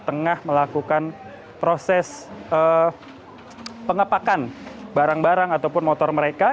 tengah melakukan proses pengepakan barang barang ataupun motor mereka